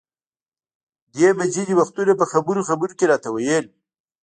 دې به ځینې وختونه په خبرو خبرو کې راته ویل.